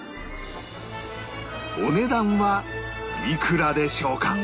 お値段はいくらでしょうか？